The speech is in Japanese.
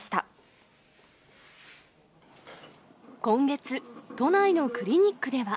今月、都内のクリニックでは。